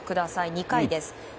２回です。